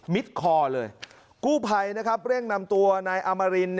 มิดคอเลยกู้ภัยเร่งนำตัวในอามาริน